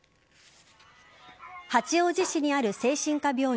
八王子市にある精神科病院